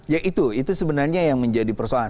ya itu itu sebenarnya yang menjadi persoalan